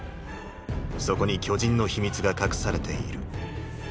そこに巨人の秘密が隠されている。